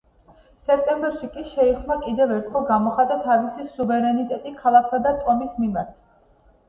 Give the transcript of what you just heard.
სექტემბერში კი შეიხმა კიდევ ერთხელ გამოხატა თავისი სუვერენიტეტი ქალაქსა და ტომის მიმართ.